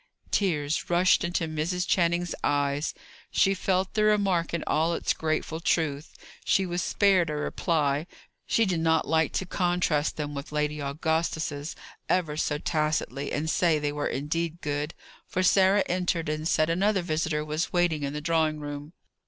Tears rushed into Mrs. Channing's eyes; she felt the remark in all its grateful truth. She was spared a reply; she did not like to contrast them with Lady Augusta's, ever so tacitly, and say they were indeed good; for Sarah entered, and said another visitor was waiting in the drawing room.